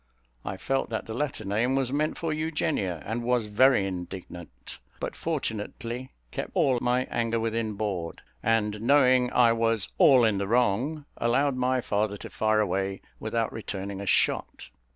I felt that the latter name was meant for Eugenia, and was very indignant; but fortunately kept all my anger within board, and, knowing I was "all in the wrong," allowed my father to fire away without returning a shot.